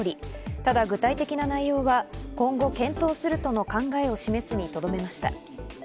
ただ具体的な内容は今後検討するとの考えを示すにとどめました。